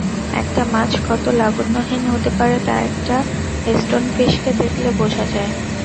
একটা মাছ কত লাবণ্যহীন হতে পারে তা একটা স্টোনফিশকে দেখলে বোঝা যায়।